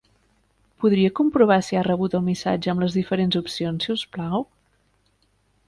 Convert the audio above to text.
Podria comprovar si ha rebut el missatge amb les diferents opcions, si us plau?